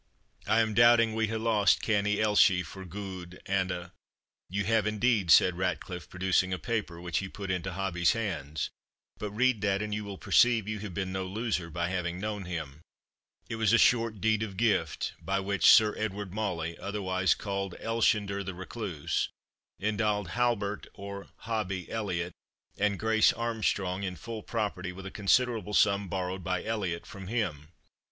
"I am doubting we hae lost Canny Elshie for gude an' a'." "You have indeed," said Ratcliffe, producing a paper, which he put into Hobbie's hands; "but read that, and you will perceive you have been no loser by having known him." It was a short deed of gift, by which "Sir Edward Mauley, otherwise called Elshender the Recluse, endowed Halbert or Hobbie Elliot, and Grace Armstrong, in full property, with a considerable sum borrowed by Elliot from him."